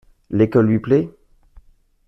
L’école lui plait ?